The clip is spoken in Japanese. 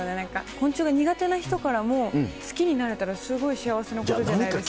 昆虫が苦手な人からも好きになれたらすごい幸せなことじゃないですか。